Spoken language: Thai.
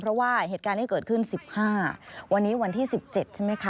เพราะว่าเหตุการณ์ที่เกิดขึ้น๑๕วันนี้วันที่๑๗ใช่ไหมคะ